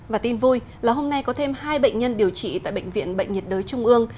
và tin vui là hôm nay có thêm hai bệnh nhân điều trị tại bệnh viện bệnh nhiệt đới trung ương